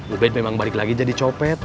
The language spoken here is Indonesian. ubed memang balik lagi jadi copet